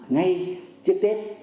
ngay trước tết